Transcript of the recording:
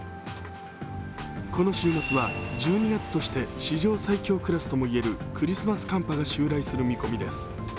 この週末は１２月として史上最強クラスとも言えるクリスマス寒波が襲来する見込みです。